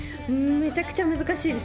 めちゃくちゃ難しいです。